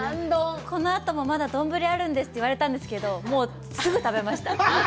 このあともまだ丼あるんですって言われたんですけど、もう、すぐ食べました。